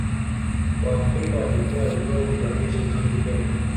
waafrika walipewa vyeo vya jeshi nchini Kenya